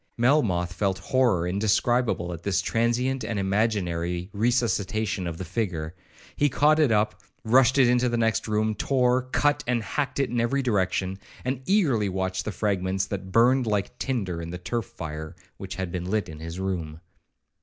Melmoth felt horror indescribable at this transient and imaginary resuscitation of the figure. He caught it up, rushed into the next room, tore, cut, and hacked it in every direction, and eagerly watched the fragments that burned like tinder in the turf fire which had been lit in his room.